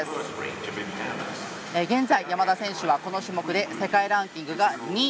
現在、山田選手はこの種目で世界ランキング２位。